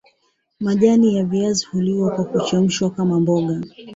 Majani ya viazi huliwa kwa kuchemshwa kama mboga